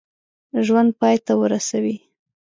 ژوند پای ته ورسوي.